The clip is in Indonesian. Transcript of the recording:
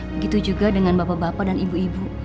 begitu juga dengan bapak bapak dan ibu ibu